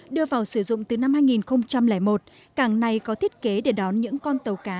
đưa vào sử dụng từ năm hai nghìn một cảng này có thiết kế để đón những con tàu cá